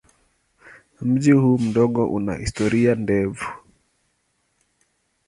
Mji huu mdogo una historia ndefu.